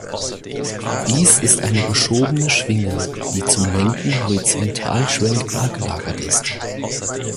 Dies ist eine geschobene Schwinge, die zum Lenken horizontal schwenkbar gelagert ist.